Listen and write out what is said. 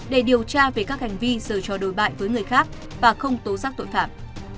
để điều tra về các hành vi giờ cho đối bại với người khác và không tố giác tội phạm